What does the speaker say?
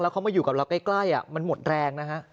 เขามาอยู่กับเราใกล้มันหมดแรงนะฮะ